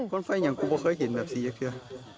ควันไฟอย่างกูเคยเห็นแบบสี่แยกเทือ